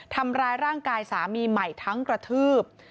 ทำร้ายร่างกายสามีใหม่ทั้งกระทืบ